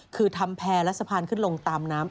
คือทำแพร่และสะพานขึ้นลงตามน้ำ